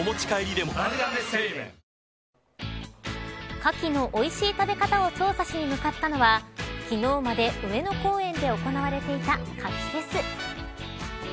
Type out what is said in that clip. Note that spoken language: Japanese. かきのおいしい食べ方を調査しに向かったのは昨日まで上野公園で行われていた牡蠣フェス。